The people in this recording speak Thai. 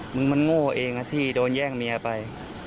มึงมันโง่เองนะที่โดนแย่งเมียไป